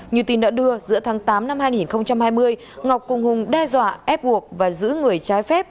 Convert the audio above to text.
như tin đã đưa giữa tháng tám năm hai nghìn hai mươi ngọc cùng hùng đe dọa ép buộc và giữ người trái phép